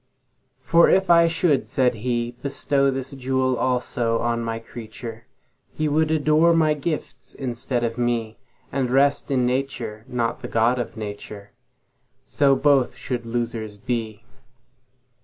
For if I should (said He)Bestow this jewel also on My creature, He would adore My gifts instead of Me, And rest in Nature, not the God of Nature:So both should losers be.